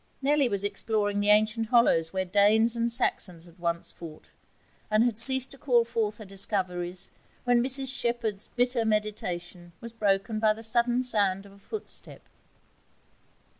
Nellie was exploring the ancient hollows where Danes and Saxons had once fought, and had ceased to call forth her discoveries when Mrs Shepherd's bitter meditation was broken by the sudden sound of a footstep.